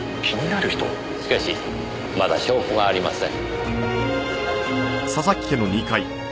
しかしまだ証拠がありません。